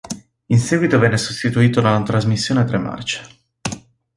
In seguito venne sostituito da una trasmissione a tre marce.